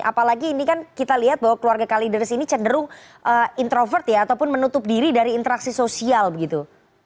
apalagi ini kan kita lihat bahwa keluarga kalideres ini cenderung introvert ya ataupun menutup diri dari interaksi sosial begitu